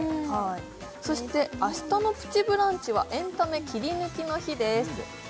そして明日の「プチブランチ」はエンタメキリヌキの日です